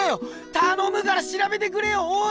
たのむから調べてくれよおい。